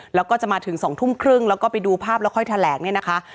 แล้วก็จะมาถึง๒ทุ่มครึ่งแล้วก็ไปดูภาพแล้วค่อยแถลงเนี่ยนะคะ